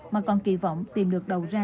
mà còn kỳ vọng tìm được đầu ra